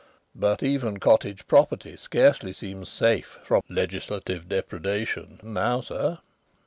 But even cottage property scarcely seems safe from legislative depredation now, sir."